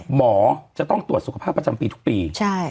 หมอจะต้องตรวจสุขภาพประจำปีทุกปี